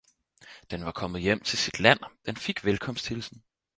Den var kommet hjem til sit land, den fik velkomsthilsen